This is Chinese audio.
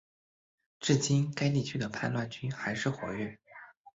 至今该地区的叛乱军还是活跃。